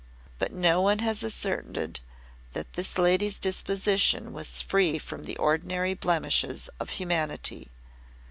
But no one has asserted that this lady's disposition was free from the ordinary blemishes of humanity.